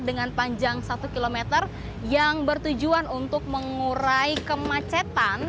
dengan panjang satu km yang bertujuan untuk mengurai kemacetan